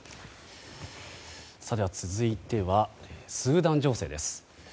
続いてはスーダン情勢です。